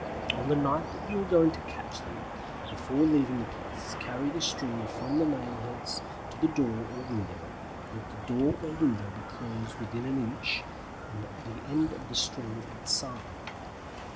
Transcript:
On the night that you are going to catch them, before leaving the place carry the string from the nail heads to the door or window; let the door or window be closed within an inch, with the end of the string outside.